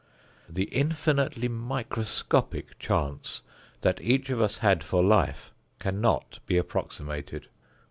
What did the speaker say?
The infinitely microscopic chance that each of us had for life cannot be approximated.